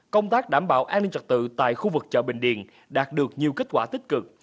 công tác đảm bảo an ninh trật tự tại khu vực chợ bình điền đạt được nhiều kết quả tích cực